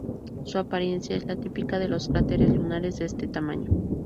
Su apariencia es la típica de los cráteres lunares de este tamaño.